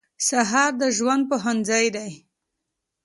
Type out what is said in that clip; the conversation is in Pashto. سهار د ژوند پوهنځی دی.